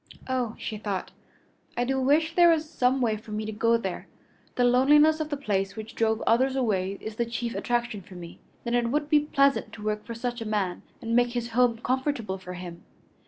"Oh!" she thought, "I do wish there was some way for me to go there. The loneliness of the place which drove others away is the chief attraction for me. Then it would be pleasant to work for such a man and make his home comfortable for him.